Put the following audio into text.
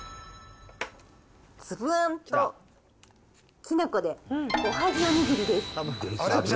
粒あんときな粉でおはぎおにぎりです。